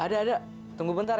ada ada tunggu bentar ya